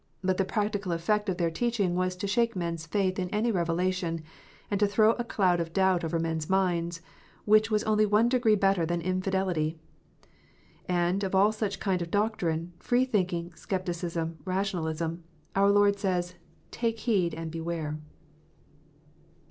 But the practical effect of their teaching was to shake men s faith in any revelation, and to throw a cloud of doubt over men s minds, which was only one degree better than infidelity. And of all such kind of doctrine, free thinking, scepticism, rationalism, our Lord says, " Take heed and beware."